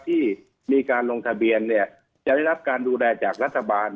ที่มีการลงทะเบียนเนี่ยจะได้รับการดูแลจากรัฐบาล